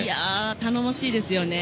頼もしいですよね。